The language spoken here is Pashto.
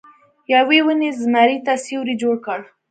یوې ونې زمري ته سیوری جوړ کړ.